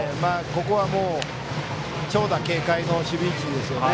ここは長打警戒の守備位置ですね。